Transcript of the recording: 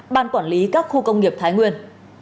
ban quản lý các khu công nghiệp thái nguyên